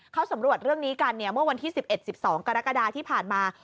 เขาสำรวจเรื่องนี้กันเมื่อวันที่๑๑๑๒กรกฎาที่ผ่านมา